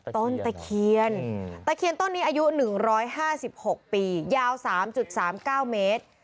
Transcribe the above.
ตะเคียนตะเคียนต้นนี้อายุ๑๕๖ปียาว๓๓๙เมตร